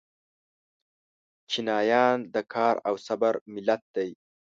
چینایان د کار او صبر ملت دی.